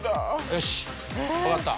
よし分かった。